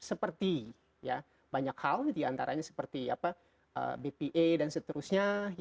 seperti banyak hal diantaranya seperti bpa dan seterusnya